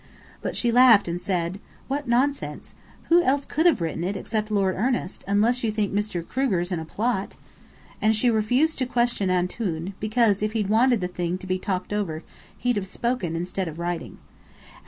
But she laughed and said, 'What nonsense! Who else could have written it except Lord Ernest, unless you think Mr. Kruger's in a plot.' And she refused to question Antoun, because if he'd wanted the thing to be talked over, he'd have spoken instead of writing.